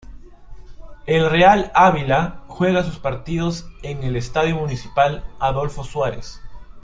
El Real Ávila juega sus partidos en el Estadio Municipal Adolfo Suárez.